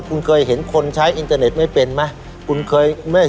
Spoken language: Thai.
คุณเคยเห็นคนใช้อินเทอร์เน็ตไม่เป็นไหม